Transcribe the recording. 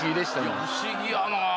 いや不思議やなぁ。